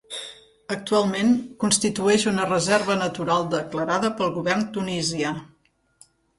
Actualment constitueix una reserva natural declarada pel govern tunisià.